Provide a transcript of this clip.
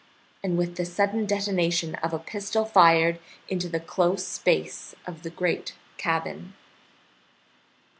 and with the sudden detonation of a pistol fired into the close space of the great cabin.